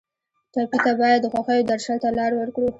ټپي ته باید د خوښیو درشل ته لار ورکړو.